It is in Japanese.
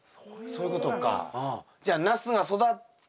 そういうことか。